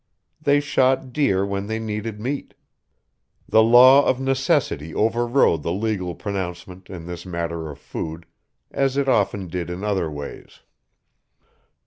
They shot deer when they needed meat. The law of necessity overrode the legal pronouncement in this matter of food, as it often did in other ways.